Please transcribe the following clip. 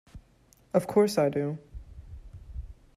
Of course I do!